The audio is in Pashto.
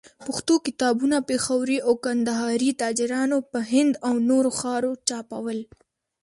پښتو کتابونه، پېښوري او کندهاري تاجرانو په هند او نورو ښارو چاپول.